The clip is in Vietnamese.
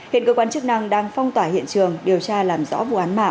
hiện cơ quan chức năng đang phong tỏa hiện trường điều tra làm rõ vụ án mạng